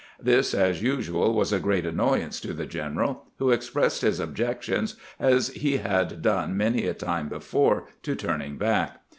This, as usual, was a great annoyance to the general, who expressed his objections, as he had done many a time before, to turning back.